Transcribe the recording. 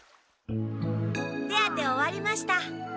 ・手当て終わりました。